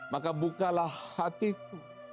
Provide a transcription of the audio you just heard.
maka bukalah hatiku